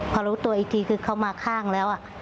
พอรู้ตัวอีกทีคือเขามาข้างแล้ว